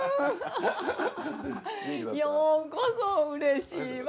ようこそうれしいわ。